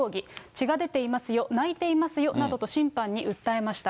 血が出ていますよ、泣いていますよなどと審判に訴えました。